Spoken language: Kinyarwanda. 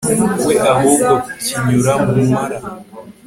we ahubwo kinyura mu mara